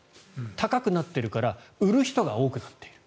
高くなっているから売る人が多くなっている。